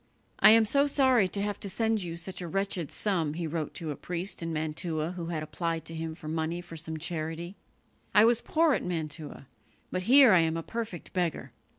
"I am so sorry to have to send you such a wretched sum," he wrote to a priest in Mantua who had applied to him for money for some charity; "I was poor at Mantua, but here I am a perfect beggar.